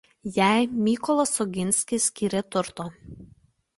Jai Mykolas Oginskis skyrė turto.